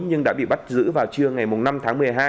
nhưng đã bị bắt giữ vào trưa ngày năm tháng một mươi hai